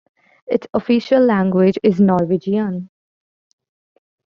Its official language is Norwegian.